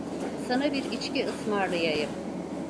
Sana bir içki ısmarlayayım.